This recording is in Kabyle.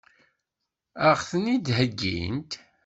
Ad ɣ-tent-id-heggint?